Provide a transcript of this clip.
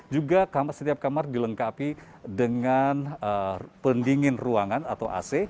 juga setiap kamar dilengkapi dengan pendingin ruangan atau ac